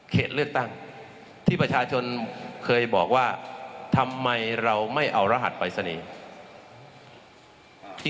เลือกตั้งที่ประชาชนเคยบอกว่าทำไมเราไม่เอารหัสปรายศนีย์